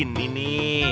sampai di sini